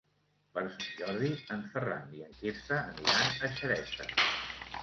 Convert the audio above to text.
Per Sant Jordi en Ferran i en Quirze aniran a Xeresa.